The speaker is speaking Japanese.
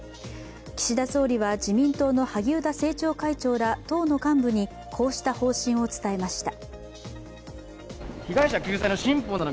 岸田総理は自民党の萩生田政調会長ら党の幹部にこうした方針を伝えました。